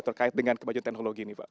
terkait dengan kemajuan teknologi ini pak